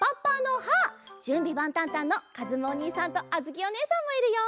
「じゅんびばんたんたん！」のかずむおにいさんとあづきおねえさんもいるよ！